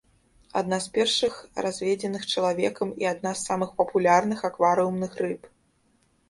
Адна з першых разведзеных чалавекам і адна з самых папулярных акварыумных рыб.